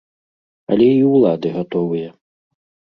Але і ўлады гатовыя.